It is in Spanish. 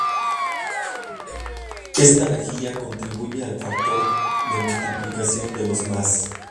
Esta rejilla contribuye al factor de multiplicación de los mAs.